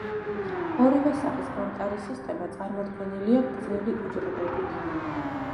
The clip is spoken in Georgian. ორივე სახის გამტარი სისტემა წარმოდგენილია გრძელი უჯრედებით.